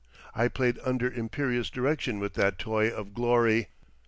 I played under imperious direction with that toy of glory.